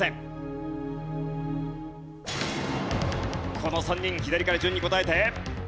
この３人左から順に答えて。